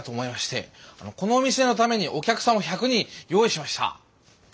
このお店のためにお客さんを１００人用意しました。